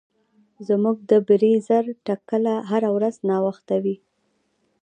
زموږ د بریځر ټکله هره ورځ ناوخته وي.